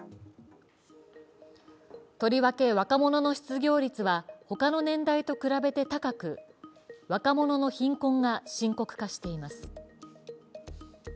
とりわけ若者の失業率は他の年代と比べて高く若者の貧困が深刻化しています。